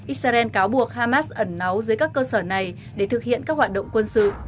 israel cáo buộc hamas ẩn náu dưới các cơ sở này để thực hiện các hoạt động quân sự